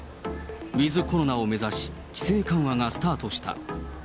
ウィズコロナを目指し、規制緩和がスタートした。